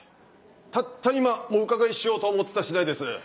たった今お伺いしようと思ってた次第です！